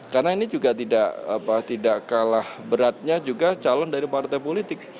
karena ini juga tidak kalah beratnya juga calon dari partai politik